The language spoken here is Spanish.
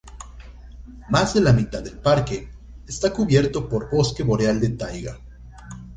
Más de la mitad del parque está cubierto por bosque boreal de taiga.